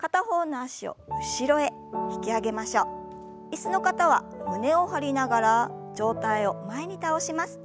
椅子の方は胸を張りながら上体を前に倒します。